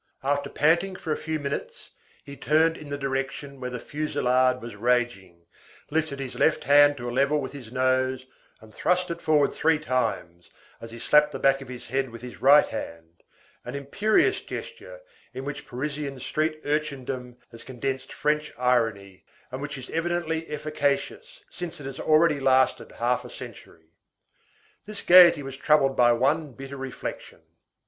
After panting for a few minutes, he turned in the direction where the fusillade was raging, lifted his left hand to a level with his nose and thrust it forward three times, as he slapped the back of his head with his right hand; an imperious gesture in which Parisian street urchindom has condensed French irony, and which is evidently efficacious, since it has already lasted half a century. This gayety was troubled by one bitter reflection.